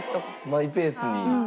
マイペースに？